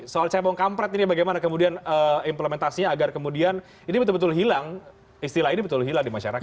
soal cebong kampret ini bagaimana kemudian implementasinya agar kemudian ini betul betul hilang istilah ini betul hilang di masyarakat